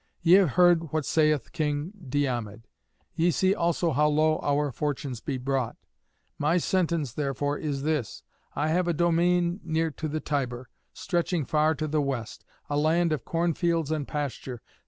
Ye have heard what saith King Diomed; ye see also how low our fortunes be brought. My sentence therefore is this: I have a domain near to the Tiber, stretching far to the west, a land of corn fields and pasture.